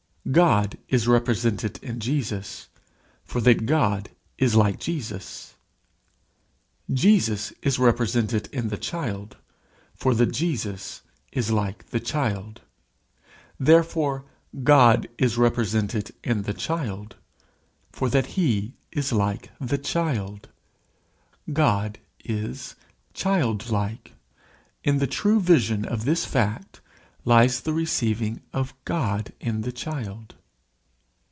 God is represented in Jesus, for that God is like Jesus: Jesus is represented in the child, for that Jesus is like the child. Therefore God is represented in the child, for that he is like the child. God is child like. In the true vision of this fact lies the receiving of God in the child.